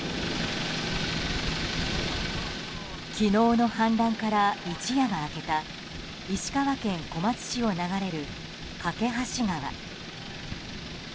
昨日の氾濫から一夜が明けた石川県小松市を流れる梯川。